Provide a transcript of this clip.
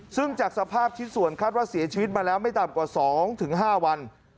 ซึ่งจากสภาพชิ้นส่วนคาดว่าเสียชีวิตมาแล้วไม่ต่ำกว่า๒๕วัน